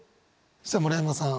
さあ村山さん。